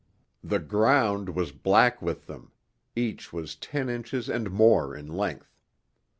The ground was black with them, each was ten inches and more in length.